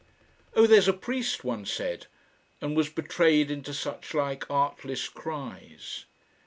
"Oh! there's a priest!" one said, and was betrayed into suchlike artless cries.